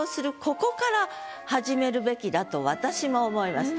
ここから始めるべきだと私も思います。